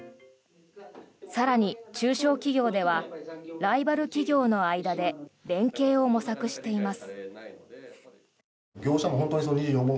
更に、中小企業ではライバル企業の間で連携を模索しています。